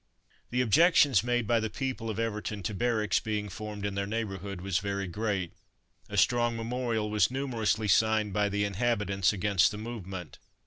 The objections made by the people of Everton to barracks being formed in their neighbourhood were very great. A strong memorial was numerously signed by the inhabitants against the movement.